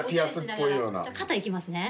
肩いきますね。